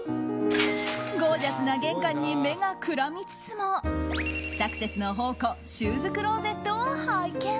ゴージャスな玄関に目がくらみつつもサクセスの宝庫シューズクローゼットを拝見。